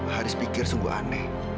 haris pikir sungguh aneh